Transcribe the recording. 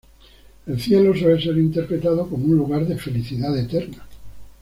El Cielo suele ser interpretado como un lugar de felicidad eterna.